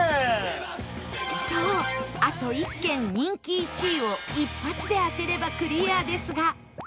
そうあと１軒人気１位を一発で当てればクリアですが